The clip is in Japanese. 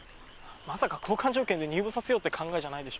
まさか交換条件で入部させようって考えじゃないでしょうね？